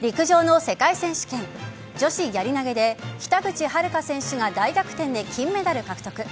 陸上の世界選手権女子やり投げで、北口榛花選手が大逆転で金メダル獲得。